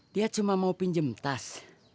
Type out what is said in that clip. dia cuma mau pinjam tas